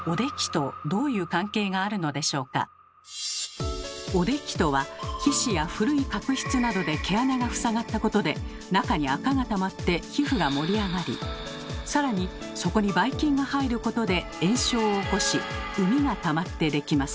しかしおできとは皮脂や古い角質などで毛穴が塞がったことで中に垢がたまって皮膚が盛り上がりさらにそこにばい菌が入ることで炎症を起こし膿がたまってできます。